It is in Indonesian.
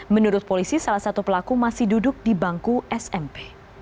menurut polisi salah satu pelaku masih duduk di bangku smp